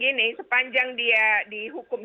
gini sepanjang dia dihukum